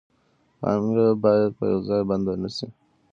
پانګه باید په یو ځای بنده نشي.